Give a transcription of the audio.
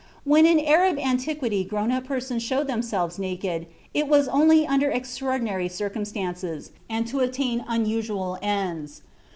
When in Arab antiquity grown up persons showed themselves naked, it was only under extraordinary circumstances, and to attain unusual ends....